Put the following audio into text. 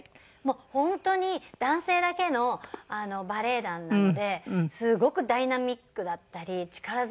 本当に男性だけのバレエ団なのですごくダイナミックだったり力強さだったり。